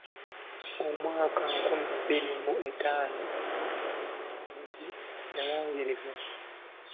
Omwaka nkumi bbiri mu etaano omuwanguzi yalangirirwa.